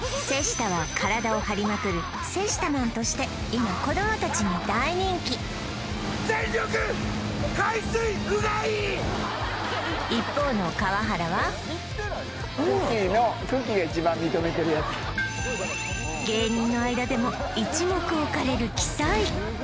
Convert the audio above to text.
瀬下は体を張りまくるセシタマンとして今子どもたちに大人気一方の川原は芸人の間でも一目置かれる鬼才